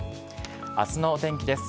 あすのお天気です。